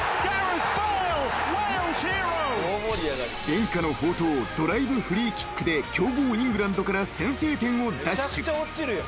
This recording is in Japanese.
［伝家の宝刀ドライブフリーキックで強豪イングランドから先制点を奪取］